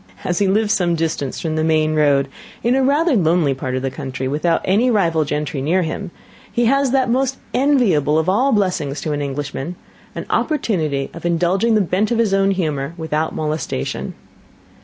As he lives at some distance from the main road, in rather a lonely part of the country, without any rival gentry near him, he has that most enviable of all blessings to an Englishman, an opportunity of indulging the bent of his own humour without molestation.